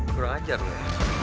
kurang ajar lo ya